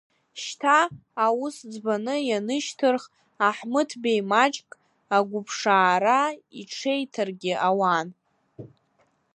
Шьҭа, аус ӡбны ианышьҭырх, Аҳмыҭбеи маҷк агәыԥшаара иҽеиҭаргьы ауан.